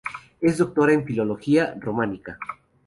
Es doctora en Filología Románica.